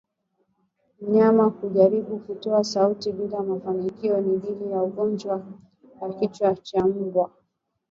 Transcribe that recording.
Mnyama kujaribu kutoa sauti bila mafanikio ni dalili ya ugonjwa wa kichaa cha mbwa